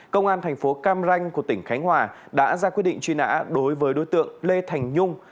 công an thành phố cam ranh của tỉnh khánh hòa đã ra quyết định truy nã đối với đối tượng lê thành nhung